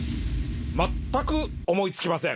全く思い付きません。